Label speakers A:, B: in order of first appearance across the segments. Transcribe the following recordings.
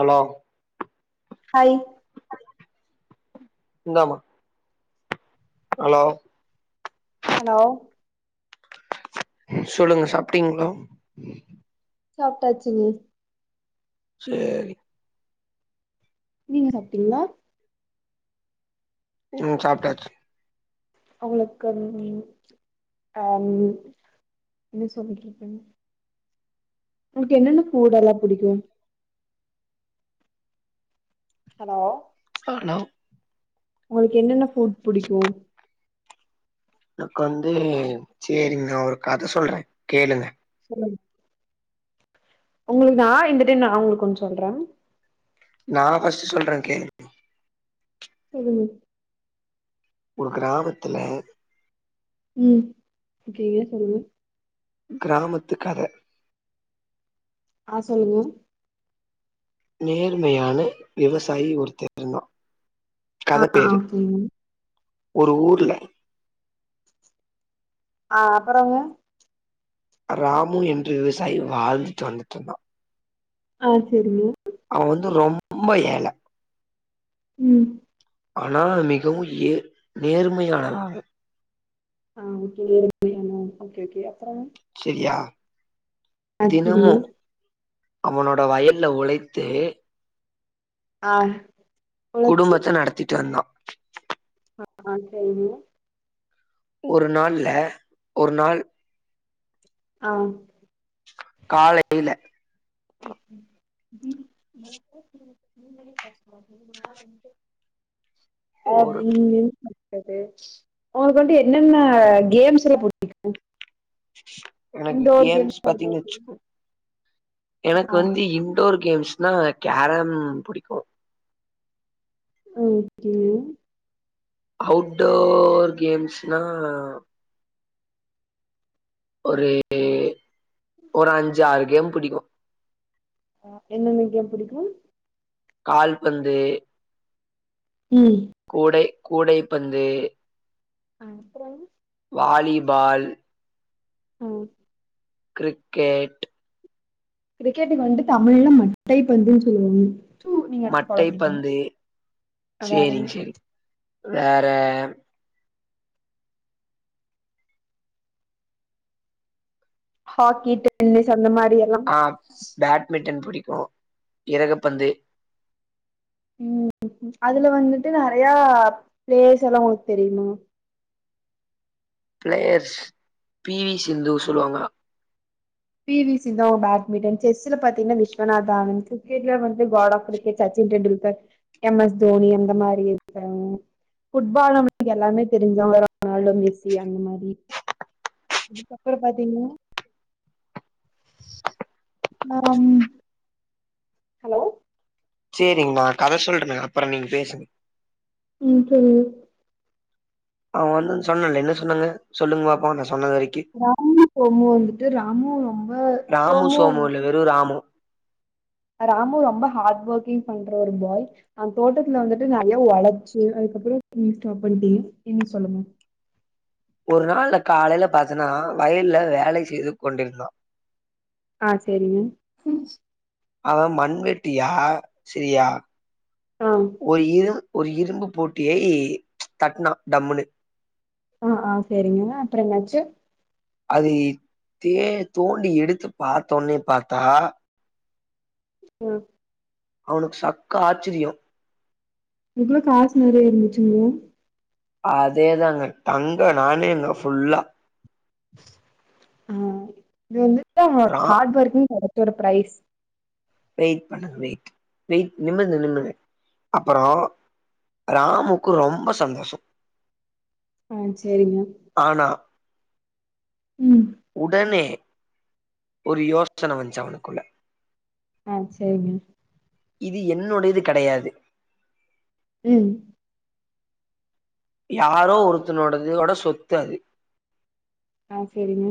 A: Hello
B: hi
A: இந்தாமா hello
B: hello
A: சொல்லுங்க சாப்ட்டீங்ளோ
B: சாப்டாச்சுங்க
A: சேரி
B: நீங்க சாப்டீங்களா
A: ம் சாப்டாச்சு
B: அவளுக்கு அம் என்ன சொல்றது உனக்கு என்னென்ன பூ இதல்லா புடிக்கு ஹலோ
A: ஹலோ
B: உங்களுக்கு என்னென்ன பூட் புடிக்கு
A: னக்கு வந்து சேரிங்க நா ஒரு கத சொல்ற கேளுங்க
B: சொல்லுங் உங்களுக்கு நா இந்த டைம் நா உங்களுக்கு ஒன்னு சொல்ற
A: நான் ஃபர்ஸ்ட் சொல்ற கேள்
B: சொல்லு
A: ஒரு கிராமத்தல
B: ம் ஓகேவே சொல்லி
A: கிராமத்து கத
B: ஆ சொல்லுங்க
A: நேர்மையான விவசாயி ஒருத்த இருந்தா கதப்
B: ஆ
A: பேரு
B: ஓகேங்க
A: ஒரு ஊர்ல
B: ஆ அப்பறங்க
A: ராமு என்று விவசாயி வாழ்ந்துட்டு வந்துட்ருந்தா
B: ஆ செரிங்க
A: அவ வந்து ரொம்ப ஏழ
B: ம்
A: ஆனா மிகவு ஏ நேர்மையானவர்
B: ஆ ஓகே நேர்மையானவர் ஓகே ஓகே அப்பறங்க
A: செரியா
B: ஆ செரிங்க
A: தினமு அவனோட வயல்ல உழைத்து
B: ஆ பொழச்சு
A: குடும்பத்த நடத்திட்டுருந்தா
B: ஆ ஆன் [inaudible]
A: ஒரு நாள்ல ஒரு நாள்
B: ஆ
A: காலைல
B: ஓகே [inaudible] ஆ
A: ஒரு
B: ம் ம் க்றது உங்களுக்கு வந்து என்னென்ன கேம்ஸ் எல்லா புடிக்கு
A: எனக்கு
B: இன்டோர்
A: கேம்ஸ்
B: அவுட்டோர்
A: பாத்தீங்கன்
B: கேம்ஸ்
A: வெச்சுக்கோ எனக்
B: ஆ
A: வந்து இன்டோர் கேம்ஸ்னா கேரம் புடிக்கு
B: ஓகே
A: அவுட் டோர் கேம்ஸ்னா ஒரு ஒரு அஞ்சாறு கேம் புடிக்கு
B: அ என்னென்ன கேம் புடிக்கு
A: கால்பந்து
B: ம்
A: கூடை கூடைப்பந்து
B: அப்றோ
A: வாலி பால்
B: ஓ
A: க்ரிக்கெட்
B: க்ரிக்கெட்டுக் வந்து தமிழ்ல மட்டை பந்துன் சொல்லுவாங்க சோ நீங்க அடுத்து ஃபாலோ பண்ணிக்கோங்க
A: மட்டைப்பந்து
B: வேறங்க
A: சேரிங் சேரி வேற
B: ஹாக்கி, டென்னிஸ் அந்த மாரி எல்லா
A: ஆ பேட்மிட்டன் பிடிக்கு இறகுப்பந்து
B: ம் அதுல வந்துட்டு நெறையா ப்ளேயர்ஸ் எல்லா உங்களுக் தெரியுமா
A: ப்ளேயர்ஸ் பி வி சிந்து சொல்லுவாங்க
B: பி வி சிந்து அவங் பேட்மிட்டன், செஸ்ல பாத்தீங்னா விஸ்வநாத் ஆனந்து க்ரிக்கெட்ல வந்து கோடா புடிக்கு சச்சின் டெண்டுல்கர், எம் எஸ் தோனி அந்த மாரி இருக்கறவங்க ஃபுட்பால் நம்ளுக்கு எல்லாமே தெரிஞ்சவங்க ரொனால்டோ, மெஸ்ஸி அந்த மாரி அதுப்புற பாத்தீங்ன்னா மேம் ஹலோ.
A: சேரிங் நா கத சொல்றனே அப்பற நீங் பேசுங்க
B: ம் சொல்லு
A: அவ வந்தான் சொன்னேல்ல என்ன சொன்னாங்க சொல்லுங் பாப்போ நா சொன்னது வரைக்
B: ராம சோமு வந்துட்டு ராமும் ரொம்ப
A: ராமு
B: சோமு வந்
A: இல்ல வெறு ராமு
B: ராமு ரொம்ப ஹாட் ஒர்க்கிங் பண்ற ஒரு பாய் அந் தோட்டத்துல வந்துட்டு நறையா ஒழச்சு அதுக்கப்புறோ நீங் ஸ்டாப் பண்டீங்க இனி சொல்லுங்க
A: ஒரு நாள்ல காலைல பாத்தனா வயல்ல வேலை செய்து கொண்டிருந்தா
B: ஆ செரிங்க
A: அவ மண்வெட்டியா சிறியா
B: ஆ
A: ஒரு இரும் ஒரு இரும்பு பட்டியை தட்னா டம்முனு
B: ஆ ஆ செரிங்க அப்பற என்னாச்சு
A: அதை தே தோண்டி எடுத்து பாத்தோன்யே பாத்தா
B: ஆ
A: அவனுக்கு சக்க ஆச்சரியு
B: அதுக்குள்ள காசு நெறைய இருந்துச்சுங்ளா
A: அதேதாங்க தங்க நாணயங்க ஃபுல்லா
B: ஆ இது வந்துட்டு அவ
A: ரா
B: ஹாட் ஒர்க்கிங் பண்ணதோட ப்ரைஸ்
A: வெயிட் பண்ணுங்க வெயிட் வெயிட் நிம்முங்க நின்னுங்க அப்பறோ ராமுக்கு ரொம்ப சந்தோஷோ
B: ஆ சேரிங்க
A: ஆனா
B: ம்
A: உடனே ஒரு யோசன வந்ச்சு அவனுக்குள்ள
B: ஆ சேரிங்க
A: இது என்னுடையது கெடையாது
B: ம்
A: யாரோ ஒருத்தனோடது தோட சொத்து அது
B: ஆ சேரிங்க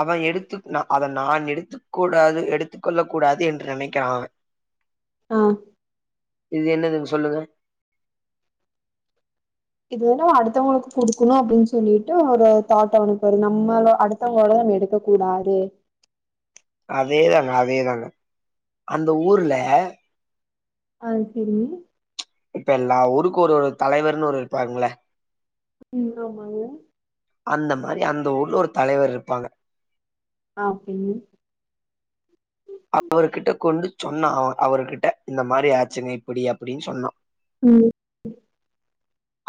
A: அவ எடுத்துக் நா அத நான் எடுத்து கூடாது எடுத்துக்கொள்ளக் கூடாது என்று நெனைக்கிறா அவ
B: ஆ
A: இது என்னதுன் சொல்லுங்க
B: இது வந்து அடுத்தவங்களுக் குடுக்கணு அப்டின் சொல்லிட்டு ஒரு தாட் அவனுக்கு வருது நம்மள அடு த்த வங்களோடத நம்ம எடுக்கக் கூடாது
A: அதேதாங்க அதேதாங்க அந்த ஊருல
B: ஆ செரிங்க
A: இப்ப எல்லா ஊருக்கு ஒரு ஒரு தலைவர்ன் ஒரு இருப்பாங்களே
B: ம் ஆமாங்க
A: அந்த மாரி அந்த ஊர்ல ஒரு தலைவர் இருப்பாங்க
B: ஆ ஓகேங்க
A: அவருகிட்ட கொண்டு சொன்னா அவ அவருகிட்ட இந்த மாரி ஆச்சிங்க இப்படி அப்படின் சொன்னா
B: ம்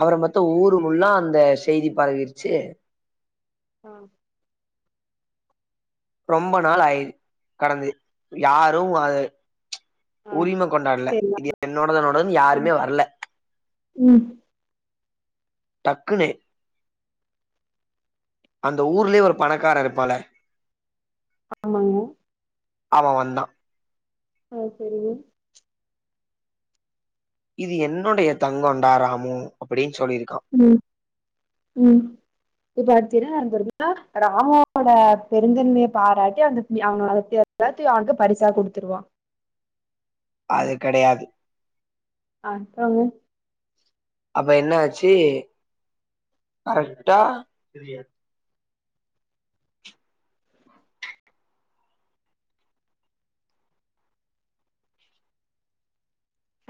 A: அவர மொத்த ஊரு முல்லா அந்த செய்தி பரவிருச்சி
B: ஆ
A: ரொம்ப நாள் ஆயி கடந்து யாரு அத
B: ஆ
A: உரிம கொண்டாட்ல
B: சேரி
A: இது என்னோடது என்னோடதுன்னு யாருமே வரல
B: ம்
A: டக்குனே அந்த ஊர்லயே ஒரு பணக்கார இருப்பால
B: ஆமாங்க
A: அவ வந்தா
B: ஆ சரிங்க
A: இது என்னுடைய தங்கோன்டா ராமு அப்டின்னு சொல்லியிருக்கா
B: ம் ம் இப்ப அடுத்தென்ன [unintelligible] ராமோட பெருந்தன்மையை பாராட்டி அந்த [unintelligible] எல்லாத்தியு அவன்க்கு பரிசா குடுத்துருவா
A: அது கடையாது
B: அப்பறோங்க
A: அப்ப என்ன ஆச்சி கரெக்டா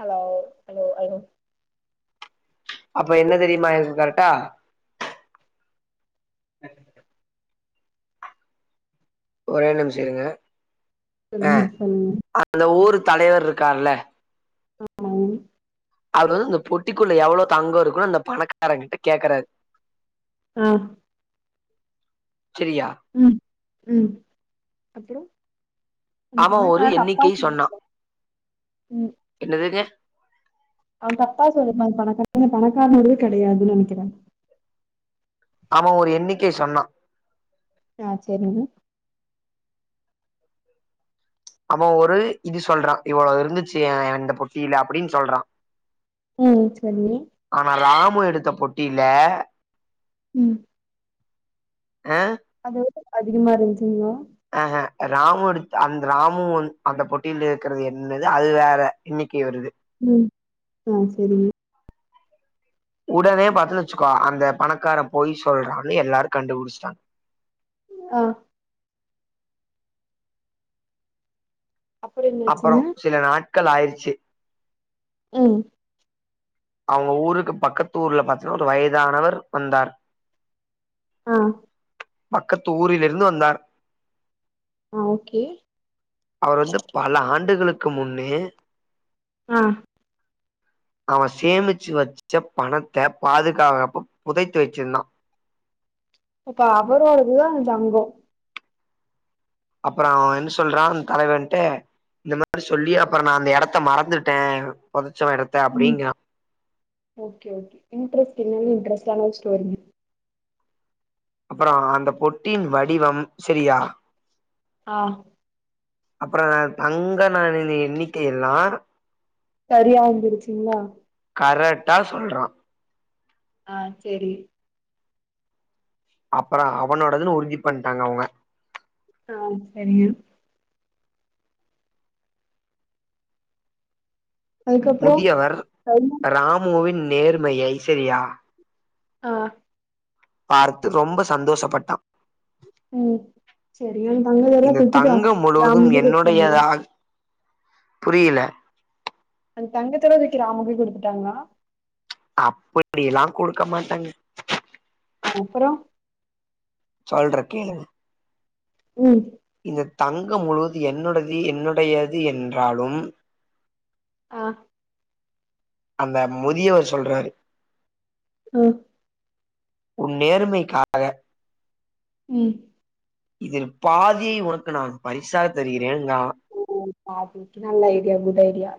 B: ஹலோ ஹலோ ஹலோ
A: அப்ப என்ன தெரியுமா ஆயிருக்கு கரெடா [inaudible] ஒரே நிமிஷ இருங்க எ
B: சொல்லுங்க சொல்லுங்க
A: அந்த ஊர் தலைவர் இருக்கார்ல
B: ஆமா
A: அவர் வந்து அந்த பொட்டிக்குள்ள எவ்ளோ தங்கம் இருக்குன்னு அந்த பணக்காரங்கிட்ட கேக்குறாரு
B: ஆ
A: செரியா
B: ம் ம் அப்புறோ அந்த
A: அவ ஒரு
B: பணக்காரர் அப்பா
A: எண்ணிக்கை சொன்னா
B: குடுத்தா ம்
A: என்னதுங்க
B: அவ தப்பா சொல்ற பணக்காரன் [inaudible] பணக்காரனோடயே கெடையாதுன் நெனைக்கிறே
A: அவ ஒரு எண்ணிக்கை சொன்னா
B: ஆ சரிங்க
A: அவ ஒரு இது சொல்றா இவ்ளோ இருந்துச்சி ஏ எ இந்த பொட்டில அப்டின் சொல்றா
B: ம் சரிங்க
A: ஆனா ராமு எடுத்த பொட்டியில
B: ம்
A: அ
B: அதவிட அதிகமா இருந்ச்சுங்ளா
A: ஆஹே ராமு எடுத்த அந்த ராமு வந் அந்த பொட்டியில இருக்கிறது என்னது அது வேற இன்னிக்கி வருது
B: ம் ஆ செரிங்க
A: உடனே பாத்தன்னு வச்சுக்கோ அந்த பணக்கார பொய் சொல்றானு எல்லாரு கண்டுபுடிச்சுட்டாங்க
B: ஆ அப்புறோ
A: அப்பறோ
B: என்னாச்சுங்க
A: சில நாட்கள் ஆயிருச்சு
B: ம்
A: அவுங்க ஊருக்கு பக்கத்து ஊர்ல பாத்தீங்கன்னா ஒரு வயதானவர் வந்தார்
B: ஆ
A: பக்கத்து ஊரில் இருந்து வந்தார்
B: ஆ ஓகே
A: அவர் வந்து பல ஆண்டுகளுக்கு முன்னே
B: ஆ
A: அவன் சேமிச்சு வச்ச பணத்த பாதுகாகப்ப புதைத்து வெச்சிருந்தான்
B: அப்ப அவரோடதுதா அந்தங்கோ
A: அப்பறோ அவன் என்ன சொல்றான் தலைவன்ட்ட இந்த மாறி சொல்லி அப்பறோ நா அந்த எடத்த மறந்துட்டேன் புதச்ச எடத்த
B: ம்
A: அப்பிடீங்கிறான்
B: ஓகே ஓகே இன்டரஸ்ன்னா இட்ரஸ்ட் ஆன ஒரு ஸ்டோரிங்க
A: அப்பறோ அந்த பொட்டின் வடிவம் செரியா
B: ஆ
A: அப்புற தங்க நாணெய்ங்க எண்ணிக்கை எல்லா
B: சரியா வந்துருச்சுங்ளா
A: கரெக்டா சொல்றான்
B: ஆ சேரி
A: அப்பறோ அவனோடதுன்னு உறுதி பண்டாங்க அவுங்க
B: ஆ சரிங்க அதுக்கப்புறோ
A: முதியவர் ராமுவின் நேர்மையை சரியா
B: ஆ
A: பார்த்து ரொம்ப சந்தோஷப்பட்டான்
B: ம் சரி அந்த தங்கதெல்லா
A: இந்த
B: தூக்கிட்டா
A: தங்கம் முழுவதும்
B: ராமுக்கு குடுத்துட்டாங்களா
A: என்னுடையதாக புரியல
B: அந்த தங்கத்தவே தூக்கி ராமுக்கே குடுத்துட்டாங்ளா
A: அப்பிடியெல்லா குடுக்க மாட்டாங்க
B: ஆ அப்பறோ
A: சொல்றன் கேளுங்க
B: ம்
A: இந்த தங்கம் முழுவது என்னுடது என்னுடையது என்றாலும்
B: ஆ
A: அந்த முதியவர் சொல்றாரு
B: ம்
A: உன் நேர்மைக்காக
B: ம்
A: இதில் பாதியை உனக்கு நான் பரிசா தருகிறேன்னா
B: ஓ பாதி நல்ல ஐடியா குட் ஐடியா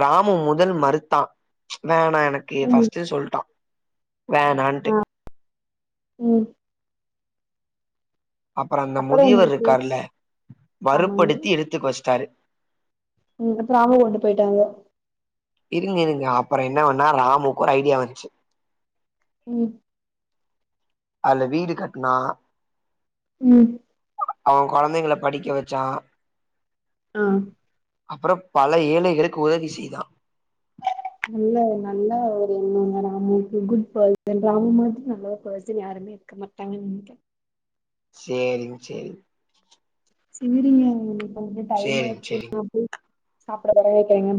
A: ராமு முதல் மறுத்தான் வேணா எனக்கு
B: ம்
A: ஃபஸ்ட்டு சொல்ட்டான் வேணான்ட்டு
B: ம்
A: அப்பறோ அந்த
B: அப்புறோ
A: முதியவர்
B: என்னாச்சு
A: இருக்கார்ல
B: ஆமாங்க
A: வறுப்படுத்தி எடுத்துக்க வச்சிட்டாரு
B: ம் அப்பறோ அவுங்களு விட்டு போய்ட்டாங்க
A: இருங்க இருங்க அப்பறோ என்னாவுன்னா ராமுக்கு ஒரு ஐடியா வந்துச்சு
B: ம்
A: அதுல வீடு கட்னா
B: ம்
A: அவன் குழந்தைங்கள படிக்க வச்சான்
B: ஆ
A: அப்றோ பல ஏழைகளுக்கு உதவி செய்தா
B: நல்ல நல்ல ஒரு எண்ணோங்க ராமுக்கு குட் பர்சன் ராமு மாரி நல்ல பர்சன் யாருமே இருக்க மாட்டாங்கன் நெனைக்கே
A: சேரிங்‌ சேரி
B: சேரிங்க இப்ப வந்து டைம்
A: சேரிங்க
B: ஆச்சு
A: சேரிங்க
B: நா போய் சாப்பாடு ஒல வெக்கிறேங்க